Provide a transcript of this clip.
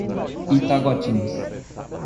Itaguatins